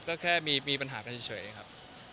ก็แค่มีปัญหากันเฉยครับ